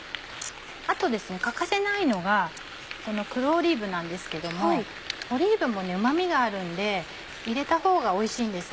あと欠かせないのがこの黒オリーブなんですけどもオリーブもうま味があるんで入れたほうがおいしいんです。